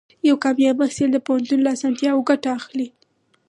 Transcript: یو کامیاب محصل د پوهنتون له اسانتیاوو ګټه اخلي.